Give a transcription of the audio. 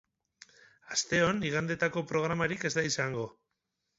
Asteon igandetako programarik ez da izango.